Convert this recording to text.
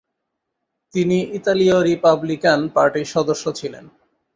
তিনি ইতালীয় রিপাবলিকান পার্টির সদস্য ছিলেন।